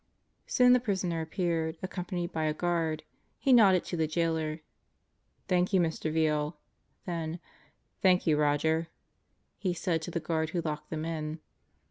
Soon the prisoner appeared, accompanied by a guard. He nodded to the Jailor. "Thank you, Mr. Veal." Then, "Thank you, Roger," he said to the guard who locked them in.